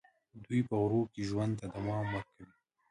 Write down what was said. دوی په غرونو کې ژوند ته دوام ورکوي.